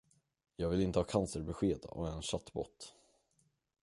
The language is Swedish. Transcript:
Jag vill inte ha cancerbesked av en chattbot.